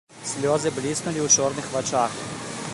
Слёзы бліснулі ў чорных вачах.